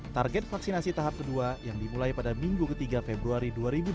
target vaksinasi tahap kedua yang dimulai pada minggu ketiga februari dua ribu dua puluh